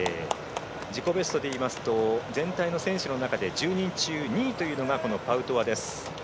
自己ベストでいいますと全体の選手の中で１０人中２位というのがパウトワです。